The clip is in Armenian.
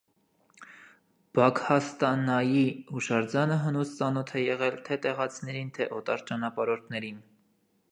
Բագհաստանայի հուշարձանը հնուց ծանոթ է եղել թե՛ տեղացիներին, թե՛ օտար ճանապարհորդներին։